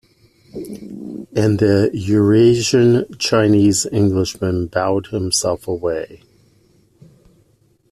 And the Eurasian Chinese-Englishman bowed himself away.